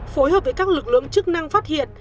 phối hợp với các lực lượng chức năng phát hiện